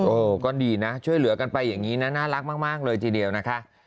ก็ดีนะช่วยเหลือกันไปอย่างนี้นะน่ารักมากเลยทีเดียวนะคะ